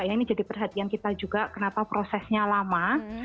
ini jadi perhatian kita juga kenapa prosesnya lama